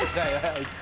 あいつ。